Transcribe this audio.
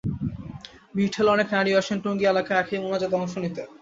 ভিড় ঠেলে অনেক নারীও আসেন টঙ্গী এলাকায় আখেরি মোনাজাতে অংশ নিতে।